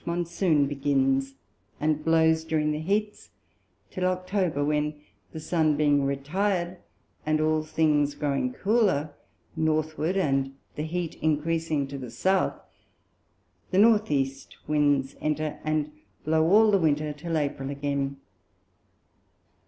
Monsoon begins, and blows during the Heats till October; when the Sun being retir'd, and all things growing cooler Northward, and the Heat increasing to the South, the North East Winds enter and blow all the Winter till April again.